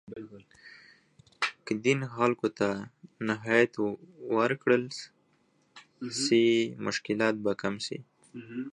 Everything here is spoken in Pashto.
که دین خلګو ته نهایت ورکړل سي، مشکلات به کم سي.